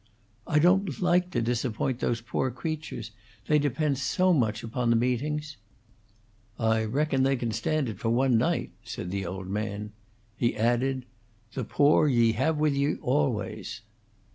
"I don't like to disappoint those poor creatures. They depend so much upon the meetings " "I reckon they can stand it for one night," said the old man. He added, "The poor ye have with you always."